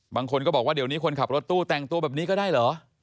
บางคนก็บอกว่าเดี๋ยวนี้คนขับรถตู้แต่งตัวแบบนี้ก็ได้เหรอ